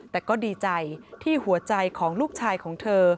แต่ก็ดีใจที่หัวใจของลูกชายของเธอ